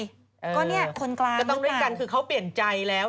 ก็เนี่ยคนกลางเหมือนกันก็ต้องเรียกกันคือเขาเปลี่ยนใจแล้ว